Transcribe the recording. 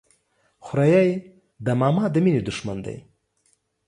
خوريي د ماما د ميني د ښمن دى.